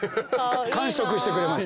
完食してくれました。